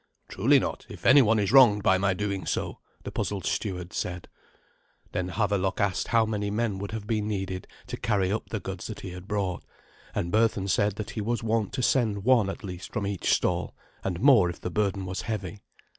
"Truly not, if any one is wronged by my doing so," the puzzled steward said. Then Havelok asked how many men would have been needed to carry up the goods that he had brought, and Berthun said that he was wont to send one at least from each stall, and more if the burden was heavy.